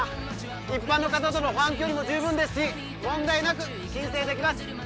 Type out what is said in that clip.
一般の方との保安距離も十分ですし問題なく申請できます